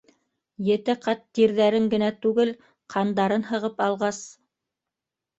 Ете ҡат тирҙәрен генә түгел, ҡандарын һығып алғас...